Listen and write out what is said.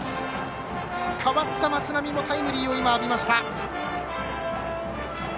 代わった、松波もタイムリーを今、浴びました。